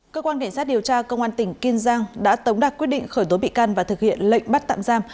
cơ quan cảnh sát điều tra công an tỉnh kiên giang đã tống đạt quyết định khởi tố bị can và thực hiện lệnh bắt tạm giam